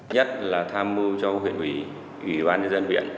nhất là tham mưu cho huyện huy huy bán dân huyện